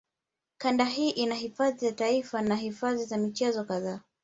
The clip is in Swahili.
Kanda hii ina hifadhi za taifa na hifadhi za michezo kadhaa